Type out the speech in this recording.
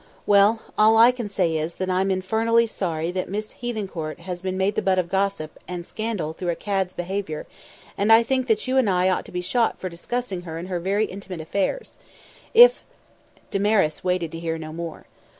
"Well, all I can say is that I'm infernally sorry that Miss Hethencourt has been made the butt of gossip and scandal through a cad's behaviour, and I think that you and I ought to be shot for discussing her and her very intimate affairs. If " Damaris waited to hear no more.